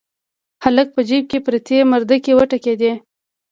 هلک په جيب کې پرتې مردکۍ وټکېدې.